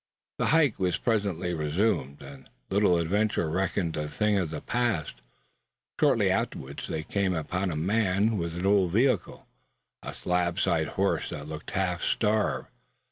The hike was presently resumed, and the little adventure reckoned a thing of the past. Shortly afterwards they came suddenly on a man, with an old vehicle, and a slab sided horse that looked half starved.